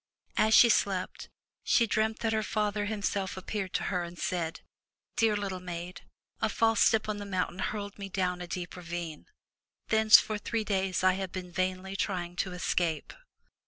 As she slept, she dreamt that her father himself appeared to her and said: "Dear little maid, a false step on the mountain hurled me down a deep ravine. Thence for three days I have been vainly trying to escape."